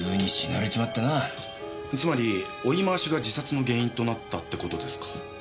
つまり追い回しが自殺の原因となったってことですか？